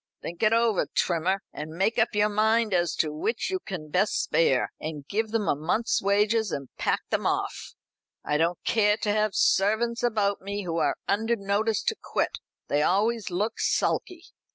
Think it over, Trimmer, and make up your mind as to which you can best spare, and give them a month's wages, and pack them off. I don't care to have servants about me who are under notice to quit. They always look sulky."